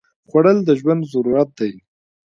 خوړل د ژوند ضرورت دی